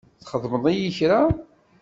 Txedmeḍ-iyi kra?